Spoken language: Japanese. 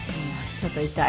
ちょっと痛い。